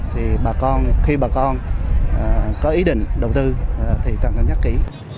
thì khi bà con có ý định đầu tư thì càng nhắc kỹ